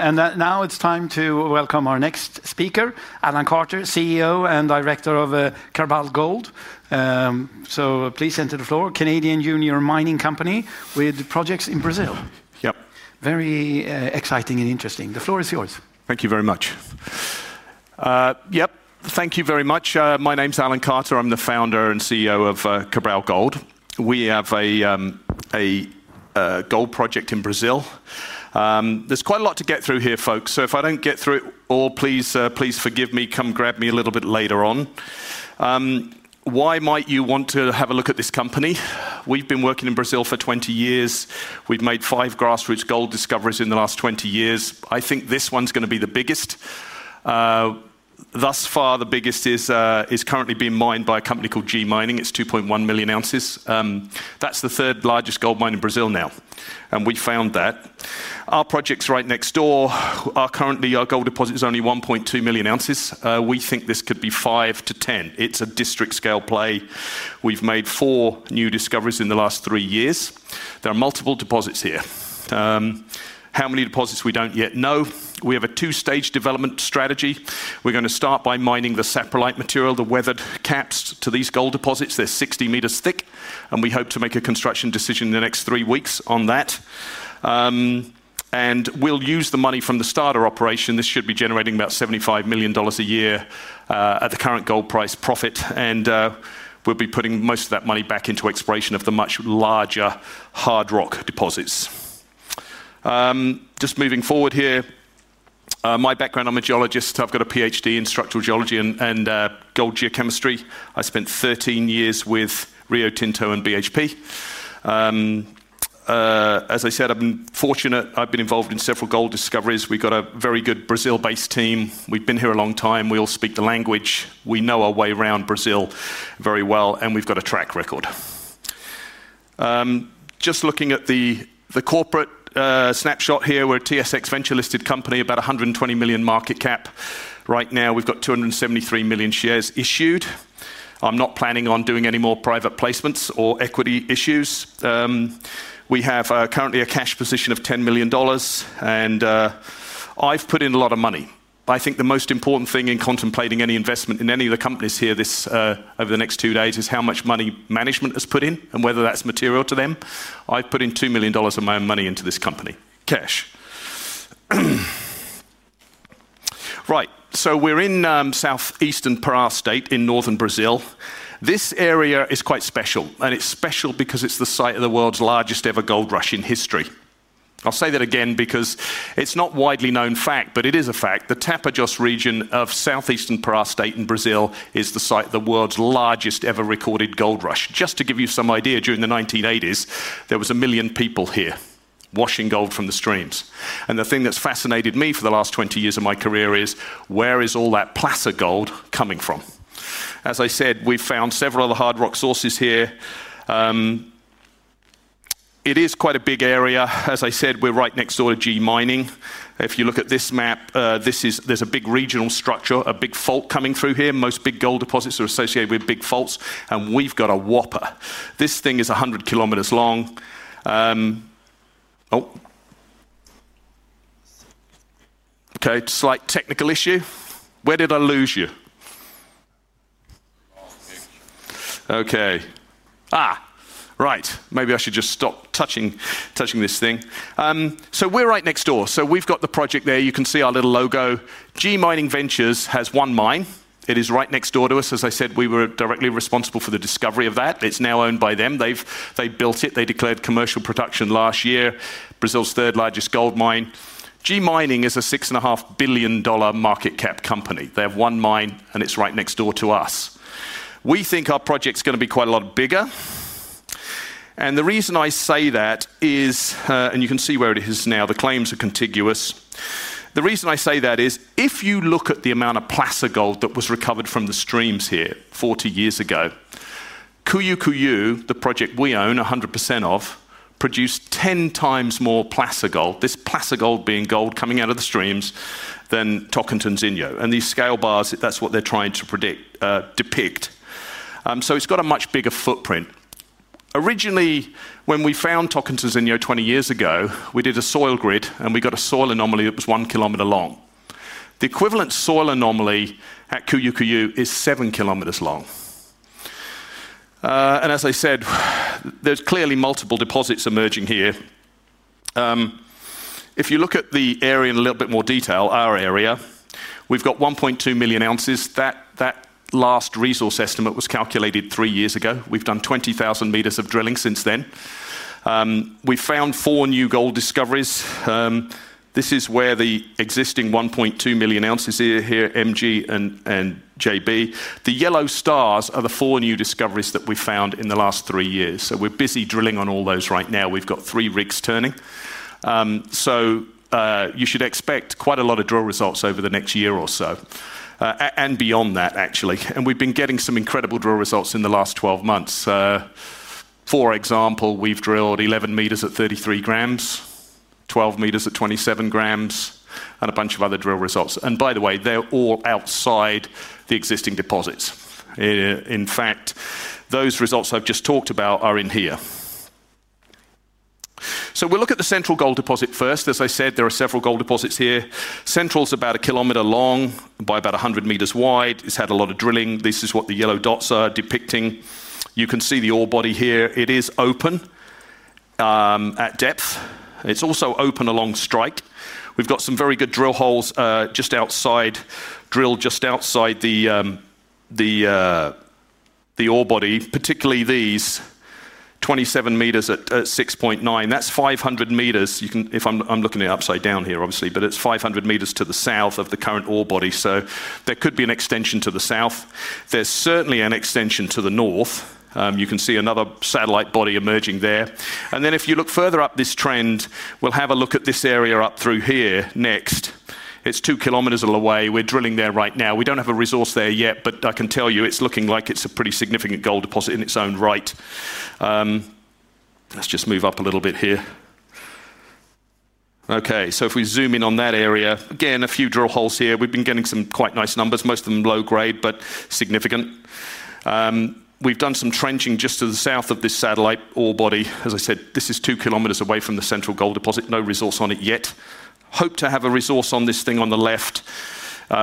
It is time to welcome our next speaker, Alan Carter, CEO and Director of Cabral Gold. Please enter the floor. Canadian junior mining company with projects in Brazil. Yep. Very exciting and interesting. The floor is yours. Thank you very much. Thank you very much. My name's Alan Carter. I'm the Founder and CEO of Cabral Gold. We have a gold project in Brazil. There's quite a lot to get through here, folks. If I don't get through it, please forgive me. Come grab me a little bit later on. Why might you want to have a look at this company? We've been working in Brazil for 20 years. We've made five grassroots gold discoveries in the last 20 years. I think this one's going to be the biggest. Thus far, the biggest is currently being mined by a company called G Mining Ventures. It's 2.1 million ounces. That's the third largest gold mine in Brazil now. We found that. Our project's right next door. Currently, our gold deposit is only 1.2 million ounces. We think this could be 5-10. It's a district scale play. We've made four new discoveries in the last three years. There are multiple deposits here. How many deposits we don't yet know. We have a two-stage development strategy. We're going to start by mining the saprolite material, the weathered caps to these gold deposits. They're 60 m thick. We hope to make a construction decision in the next three weeks on that. We'll use the money from the starter operation. This should be generating about $75 million a year at the current gold price profit. We'll be putting most of that money back into exploration of the much larger hard rock deposits. Just moving forward here, my background, I'm a geologist. I've got a PhD in structural geology and gold geochemistry. I spent 13 years with Rio Tinto and BHP. As I said, I've been fortunate. I've been involved in several gold discoveries. We've got a very good Brazil-based team. We've been here a long time. We all speak the language. We know our way around Brazil very well. We've got a track record. Just looking at the corporate snapshot here, we're a TSX Venture Exchange-listed company, about $120 million market cap. Right now, we've got 273 million shares issued. I'm not planning on doing any more private placements or equity issues. We have currently a cash position of $10 million. I've put in a lot of money. I think the most important thing in contemplating any investment in any of the companies here over the next two days is how much money management has put in and whether that's material to them. I've put in $2 million of my own money into this company, cash. We're in southeastern Pará State in northern Brazil. This area is quite special. It's special because it's the site of the world's largest ever gold rush in history. I'll say that again because it's not a widely known fact, but it is a fact. The Tapajós region of southeastern Pará State in Brazil is the site of the world's largest ever recorded gold rush. To give you some idea, during the 1980s, there were a million people here washing gold from the streams. The thing that's fascinated me for the last 20 years of my career is where is all that placer gold coming from? As I said, we've found several other hard rock sources here. It is quite a big area. We're right next door to G Mining Ventures. If you look at this map, there's a big regional structure, a big fault coming through here. Most big gold deposits are associated with big faults. We've got a whopper. This thing is 100 km long. OK. Slight technical issue. Where did I lose you? Maybe I should just stop touching this thing. We're right next door. We've got the project there. You can see our little logo. G Mining Ventures has one mine. It is right next door to us. As I said, we were directly responsible for the discovery of that. It's now owned by them. They built it. They declared commercial production last year. It's Brazil's third largest gold mine. G Mining Ventures is a $6.5 billion market cap company. They have one mine, and it's right next door to us. We think our project's going to be quite a lot bigger. The reason I say that is, and you can see where it is now, the claims are contiguous. The reason I say that is, if you look at the amount of placer gold that was recovered from the streams here 40 years ago, Cuiu Cuiu, the project we own 100% of, produced 10x more placer gold, this placer gold being gold coming out of the streams, than Tocantinzinho, and these scale bars, that's what they're trying to depict. It's got a much bigger footprint. Originally, when we found Tocantinzinho 20 years ago, we did a soil grid. We got a soil anomaly that was 1 km long. The equivalent soil anomaly at Cuiu Cuiu is 7 km long. As I said, there's clearly multiple deposits emerging here. If you look at the area in a little bit more detail, our area, we've got 1.2 million ounces. That last resource estimate was calculated three years ago. We've done 20,000 m of drilling since then. We've found four new gold discoveries. This is where the existing 1.2 million ounces are, MG and JB. The yellow stars are the four new discoveries that we've found in the last three years. We're busy drilling on all those right now. We've got three rigs turning. You should expect quite a lot of drill results over the next year or so, and beyond that, actually. We've been getting some incredible drill results in the last 12 months. For example, we've drilled 11 m at 33 g, 12 m at 27 g, and a bunch of other drill results. By the way, they're all outside the existing deposits. In fact, those results I've just talked about are in here. We'll look at the central gold deposit first. As I said, there are several gold deposits here. Central is about a kilometer long by about 100 m wide. It's had a lot of drilling. This is what the yellow dots are depicting. You can see the ore body here. It is open at depth. It's also open along strike. We've got some very good drill holes drilled just outside the ore body, particularly these 27 m at 6.9. That's 500 m. I'm looking at upside down here, obviously, but it's 500 m to the south of the current ore body. There could be an extension to the south. There's certainly an extension to the north. You can see another satellite body emerging there. If you look further up this trend, we'll have a look at this area up through here next. It's 2 km away. We're drilling there right now. We don't have a resource there yet, but I can tell you it's looking like it's a pretty significant gold deposit in its own right. Let's just move up a little bit here. If we zoom in on that area, again, a few drill holes here. We've been getting some quite nice numbers, most of them low grade, but significant. We've done some trenching just to the south of this satellite ore body. As I said, this is 2 km away from the central gold deposit. No resource on it yet. Hope to have a resource on this thing on the left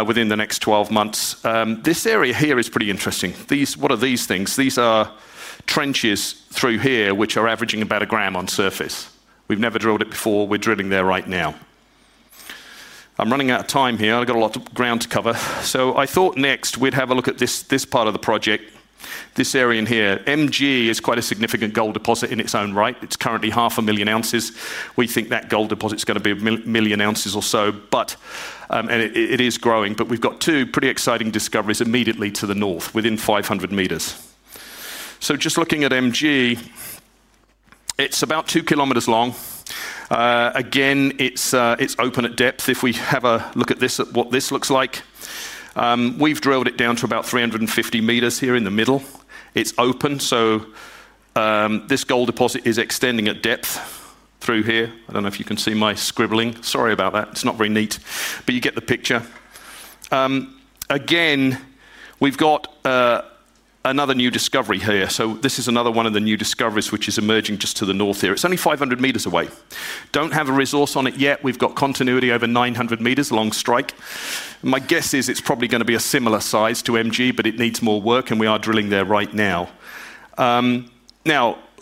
within the next 12 months. This area here is pretty interesting. What are these things? These are trenches through here, which are averaging about a gram on surface. We've never drilled it before. We're drilling there right now. I'm running out of time here. I've got a lot of ground to cover. I thought next we'd have a look at this part of the project, this area in here. MG is quite a significant gold deposit in its own right. It's currently half a million ounces. We think that gold deposit is going to be a million ounces or so. It is growing. We've got two pretty exciting discoveries immediately to the north, within 500 m. Just looking at MG, it's about 2 km long. Again, it's open at depth. If we have a look at what this looks like, we've drilled it down to about 350 m here in the middle. It's open. This gold deposit is extending at depth through here. I don't know if you can see my scribbling. Sorry about that. It's not very neat, but you get the picture. We've got another new discovery here. This is another one of the new discoveries, which is emerging just to the north here. It's only 500 m away. Don't have a resource on it yet. We've got continuity over 900 m along strike. My guess is it's probably going to be a similar size to MG, but it needs more work. We are drilling there right now.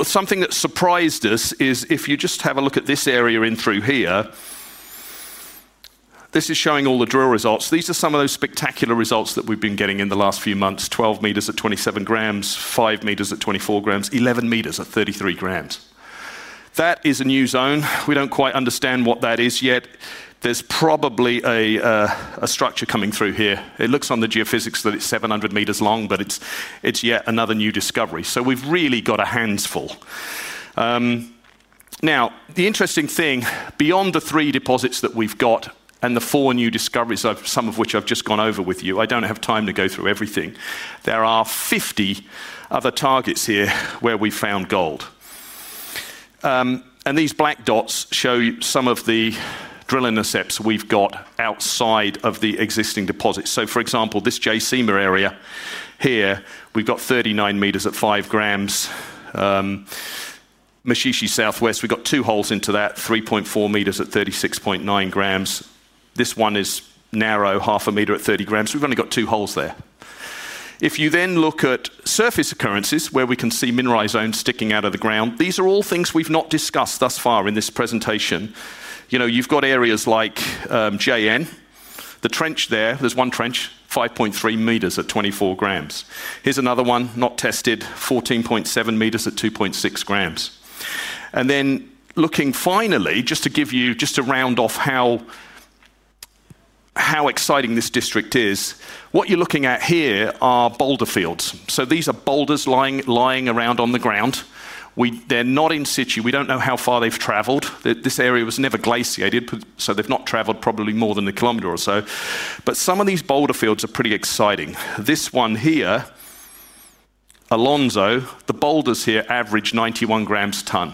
Something that surprised us is if you just have a look at this area in through here, this is showing all the drill results. These are some of those spectacular results that we've been getting in the last few months: 12 m at 27 g, 5 m at 24 g, 11 m at 33 g. That is a new zone. We don't quite understand what that is yet. There's probably a structure coming through here. It looks on the geophysics that it's 700 m long, but it's yet another new discovery. We've really got our hands full. The interesting thing, beyond the three deposits that we've got and the four new discoveries, some of which I've just gone over with you, is I don't have time to go through everything. There are 50 other targets here where we've found gold. These black dots show some of the drill intercepts we've got outside of the existing deposits. For example, this Jayceamer area here, we've got 39 m at 5 g. Mashishi Southwest, we've got two holes into that, 3.4 m at 36.9 g. This one is narrow, half a meter at 30 g. We've only got two holes there. If you then look at surface occurrences, where we can see mineralized zones sticking out of the ground, these are all things we've not discussed thus far in this presentation. You've got areas like JN. The trench there, there's one trench, 5.3 m at 24 g. Here's another one not tested, 14.7 m at 2.6 g. Finally, just to give you a round of how exciting this district is, what you're looking at here are boulder fields. These are boulders lying around on the ground. They're not in situ. We don't know how far they've traveled. This area was never glaciated, so they've not traveled probably more than a kilometer or so. Some of these boulder fields are pretty exciting. This one here, Alonzo, the boulders here average 91 g a ton.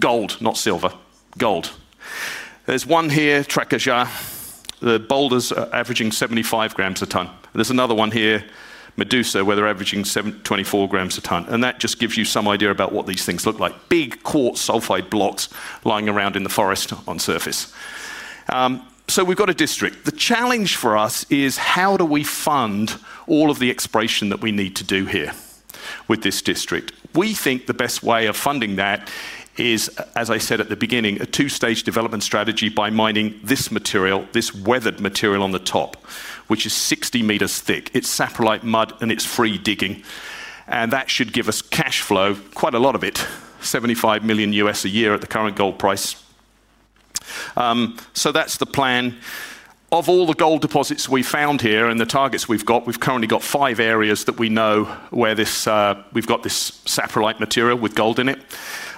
Gold, not silver. Gold. There's one here, Traquejar. The boulders are averaging 75 g a ton. There's another one here, Medusa, where they're averaging 24 g a ton. That just gives you some idea about what these things look like: big quartz sulfide blocks lying around in the forest on surface. We've got a district. The challenge for us is how do we fund all of the exploration that we need to do here with this district? We think the best way of funding that is, as I said at the beginning, a two-stage development strategy by mining this material, this weathered material on the top, which is 60 m thick. It's saprolite mud, and it's free digging. That should give us cash flow, quite a lot of it, $75 million U.S. a year at the current gold price. That's the plan. Of all the gold deposits we found here and the targets we've got, we've currently got five areas that we know where we've got this saprolite material with gold in it.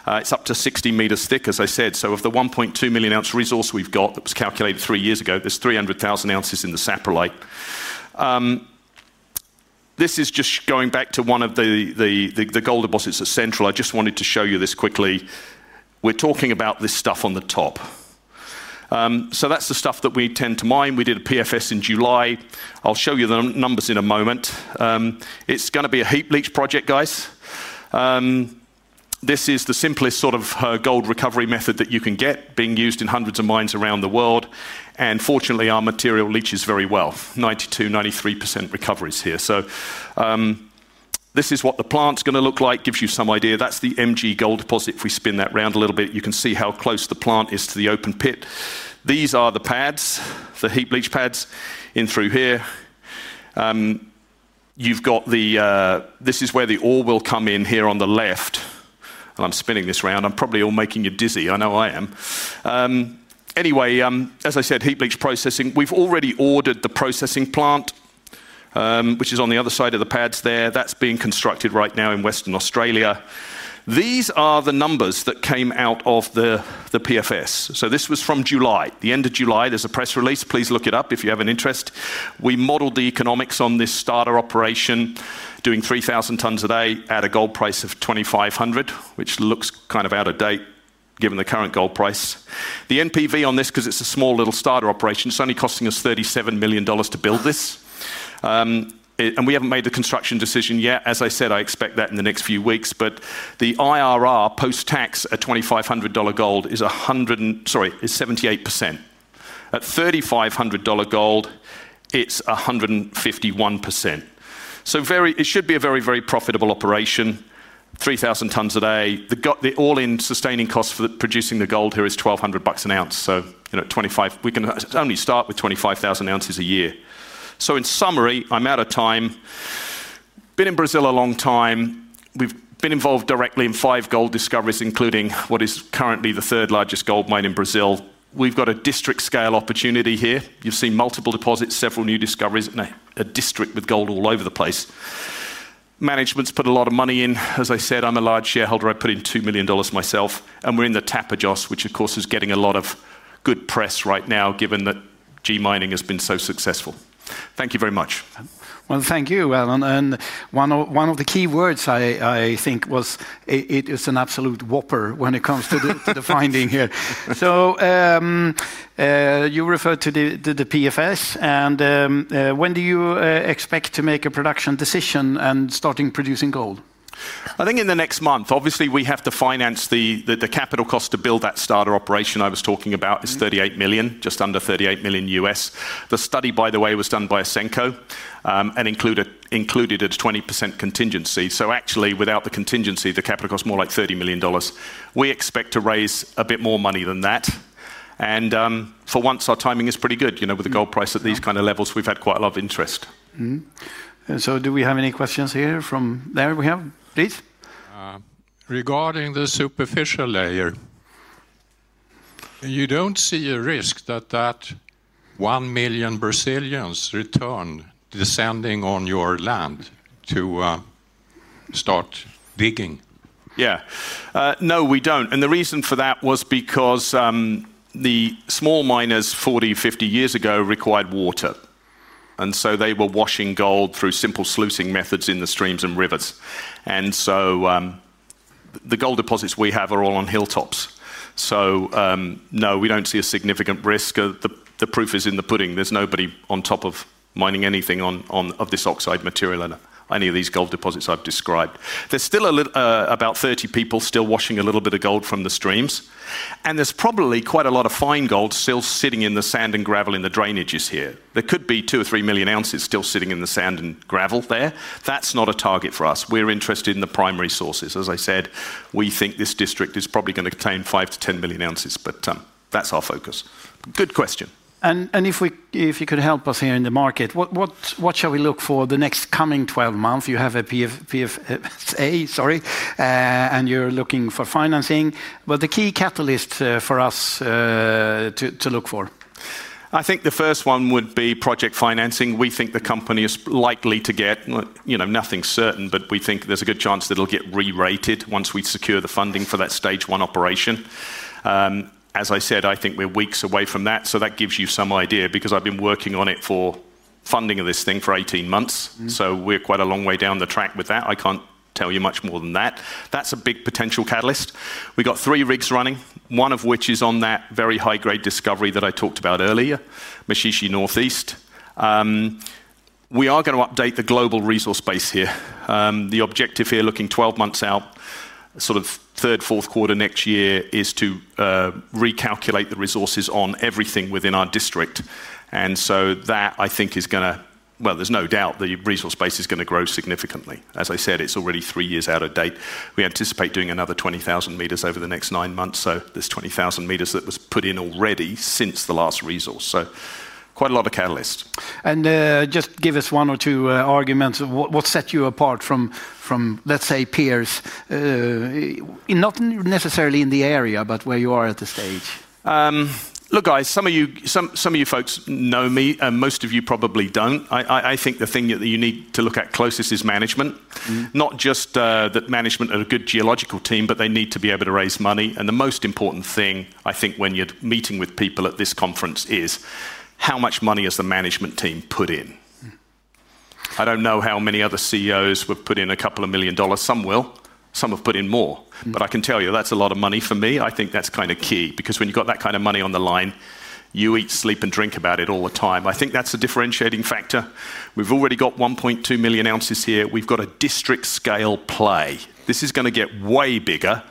It's up to 60 m thick, as I said. Of the 1.2 million ounce resource we've got that was calculated three years ago, there's 300,000 ounces in the saprolite. This is just going back to one of the gold deposits at Central. I just wanted to show you this quickly. We're talking about this stuff on the top. That's the stuff that we tend to mine. We did a PFS in July. I'll show you the numbers in a moment. It's going to be a heap leach project, guys. This is the simplest sort of gold recovery method that you can get, being used in hundreds of mines around the world. Fortunately, our material leaches very well, 92%-93% recoveries here. This is what the plant's going to look like, gives you some idea. That's the MG gold deposit. If we spin that round a little bit, you can see how close the plant is to the open pit. These are the pads, the heap leach pads, in through here. This is where the ore will come in here on the left. I'm spinning this round. I'm probably all making you dizzy. I know I am. Anyway, as I said, heap leach processing. We've already ordered the processing plant, which is on the other side of the pads there. That's being constructed right now in Western Australia. These are the numbers that came out of the PFS. This was from July, the end of July. There's a press release. Please look it up if you have an interest. We modeled the economics on this starter operation, doing 3,000 tons a day at a gold price of $2,500, which looks kind of out of date, given the current gold price. The NPV on this, because it's a small little starter operation, it's only costing us $37 million to build this. We haven't made a construction decision yet. As I said, I expect that in the next few weeks. The IRR post-tax at $2,500 gold is 78%. At $3,500 gold, it's 151%. It should be a very, very profitable operation, 3,000 tons a day. The all-in sustaining cost for producing the gold here is $1,200 an ounce. We can only start with 25,000 ounces a year. In summary, I'm out of time. Been in Brazil a long time. We've been involved directly in five gold discoveries, including what is currently the third largest gold mine in Brazil. We've got a district scale opportunity here. You've seen multiple deposits, several new discoveries, and a district with gold all over the place. Management's put a lot of money in. As I said, I'm a large shareholder. I put in $2 million myself. We're in the Tapajós, which, of course, is getting a lot of good press right now, given that G Mining has been so successful. Thank you very much. Thank you, Alan. One of the key words I think was it is an absolute whopper when it comes to the finding here. You referred to the PFS. When do you expect to make a production decision and start producing gold? I think in the next month. Obviously, we have to finance the capital cost to build that starter operation I was talking about is $38 million, just under $38 million U.S. The study, by the way, was done by Ausenco and included a 20% contingency. Actually, without the contingency, the capital cost is more like $30 million. We expect to raise a bit more money than that. For once, our timing is pretty good. You know, with the gold price at these kind of levels, we've had quite a lot of interest. Do we have any questions here from there? We have, please. Regarding the superficial layer, you don't see a risk that that 1 million Brazilians return descending on your land to start digging? Yeah. No, we don't. The reason for that was because the small miners 40 or 50 years ago required water. They were washing gold through simple sluicing methods in the streams and rivers. The gold deposits we have are all on hilltops. No, we don't see a significant risk. The proof is in the pudding. There's nobody on top of mining anything of this oxide material in any of these gold deposits I've described. There's still about 30 people still washing a little bit of gold from the streams. There's probably quite a lot of fine gold still sitting in the sand and gravel in the drainages here. There could be 2 or 3 million ounces still sitting in the sand and gravel there. That's not a target for us. We're interested in the primary sources. As I said, we think this district is probably going to contain 5 to 10 million ounces. That's our focus. Good question. If you could help us here in the market, what shall we look for the next coming 12 months? You have a PFS, sorry, and you're looking for financing. What are the key catalysts for us to look for? I think the first one would be project financing. We think the company is likely to get, you know, nothing's certain, but we think there's a good chance that it'll get re-rated once we secure the funding for that stage one operation. As I said, I think we're weeks away from that. That gives you some idea because I've been working on it for funding of this thing for 18 months. We're quite a long way down the track with that. I can't tell you much more than that. That's a big potential catalyst. We've got three rigs running, one of which is on that very high-grade discovery that I talked about earlier, Mashishi Northeast. We are going to update the global resource base here. The objective here, looking 12 months out, sort of third, fourth quarter next year, is to recalculate the resources on everything within our district. I think that is going to, there's no doubt the resource base is going to grow significantly. As I said, it's already three years out of date. We anticipate doing another 20,000 m over the next nine months. There's 20,000 m that was put in already since the last resource. Quite a lot of catalysts. Give us one or two arguments. What sets you apart from, let's say, peers, not necessarily in the area, but where you are at the stage? Look, guys, some of you folks know me. Most of you probably don't. I think the thing that you need to look at closest is management, not just that management are a good geological team, but they need to be able to raise money. The most important thing, I think, when you're meeting with people at this conference is how much money has the management team put in. I don't know how many other CEOs have put in a couple of million dollars. Some will. Some have put in more. I can tell you that's a lot of money for me. I think that's kind of key because when you've got that kind of money on the line, you eat, sleep, and drink about it all the time. I think that's a differentiating factor. We've already got $1.2 million ounces here. We've got a district scale play. This is going to get way bigger.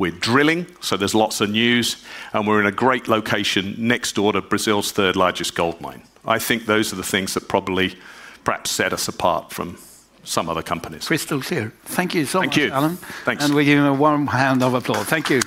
We're drilling, so there's lots of news. We're in a great location next door to Brazil's third largest gold mine. I think those are the things that probably perhaps set us apart from some other companies. Crystal clear. Thank you so much, Alan. Thank you. We're giving a warm round of applause. Thank you.